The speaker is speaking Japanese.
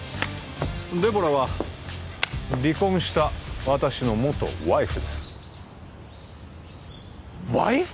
デボラは離婚した私の元ワイフですワイフ！？